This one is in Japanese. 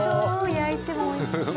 焼いても美味しそう。